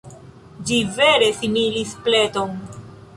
Ĝi vere similis pleton.